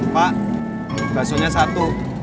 pak basonya satu